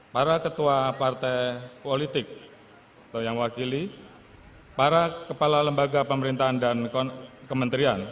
para ketua partai politik atau yang wakili para kepala lembaga pemerintahan dan kementerian